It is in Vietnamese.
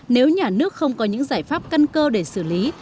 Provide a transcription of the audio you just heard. nếu nhà nước không có những giải pháp căn cơ để xử lý